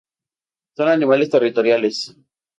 Son animales territoriales.